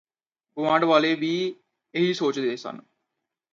ਗੁਆਂਢ ਵਾਲੇ ਵੀ ਇਹੀ ਸੋਚਦੇ ਸਨ